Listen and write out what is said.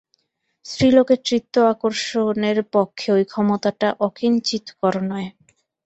স্ত্রীলোকের চিত্ত-আকর্ষণের পক্ষে ঐ ক্ষমতাটা অকিঞ্চিৎকর নয়।